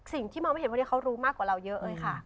สิ่งที่มองไม่เห็นวันนี้เขารู้มากกว่าเราเยอะเลยค่ะ